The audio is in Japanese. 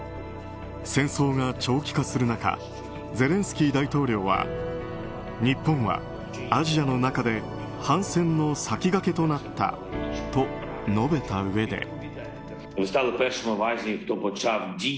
戦争が長期化する中ゼレンスキー大統領は日本はアジアの中で反戦の先駆けとなったと述べたうえで。